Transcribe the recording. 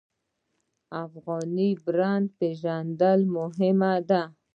د افغاني برنډ پیژندل مهم دي